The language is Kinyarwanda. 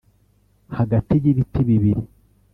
hagati y'ibiti bibiri